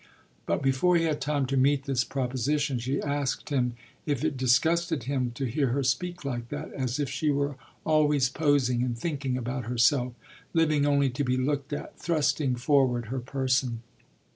But before he had time to meet this proposition she asked him if it disgusted him to hear her speak like that, as if she were always posing and thinking about herself, living only to be looked at, thrusting forward her person.